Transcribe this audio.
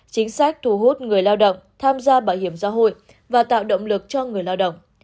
chính sách thu hút người lao động tham gia bảo hiểm xã hội và tạo động lực cho người lao động